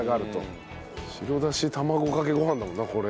白だし卵かけご飯だもんなこれは。